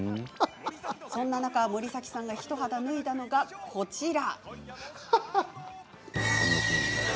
そんな中、森崎さんが一肌脱いだのがこちら。